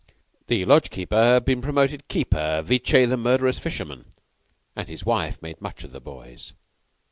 The Lodge keeper had been promoted to keeper, vice the murderous fisherman, and his wife made much of the boys.